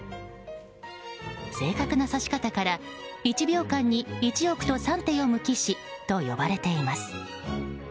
正確な指し方から１秒間に１億と３手読む棋士と呼ばれています。